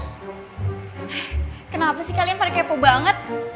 kenapa sih kalian pada kepo banget